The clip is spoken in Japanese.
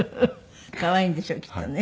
可愛いんでしょうきっとね。